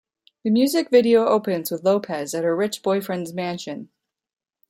The music video opens with Lopez at her rich boyfriend's mansion.